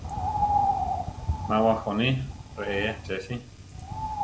Má wajoní ¡reé achesi!